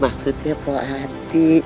maksudnya paham hati